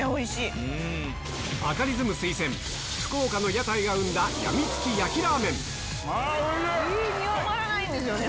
バカリズム推薦、福岡の屋台が生んだ、やみつき焼きラーメン。